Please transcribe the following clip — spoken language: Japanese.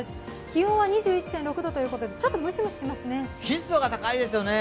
気温は２１．６度ということで、ちょっとムシムシしますよね。